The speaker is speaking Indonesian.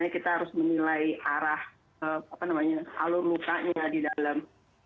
kita harus menilai arah alur mukanya di dalam